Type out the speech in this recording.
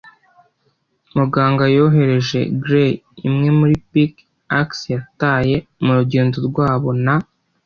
Muganga yohereje Grey imwe muri pick-axe yataye, murugendo rwabo, na